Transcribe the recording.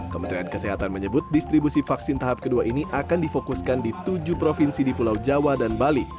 kementerian kesehatan menyebut distribusi vaksin tahap kedua ini akan difokuskan di tujuh provinsi di pulau jawa dan bali